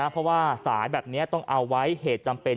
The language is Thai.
เพราะว่าสายแบบนี้ต้องเอาไว้เหตุจำเป็น